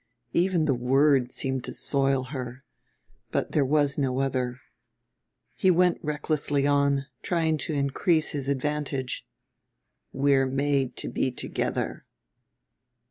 Even the word seemed to soil her; but there was no other. He went recklessly on, trying to increase his advantage: "We're made to be together."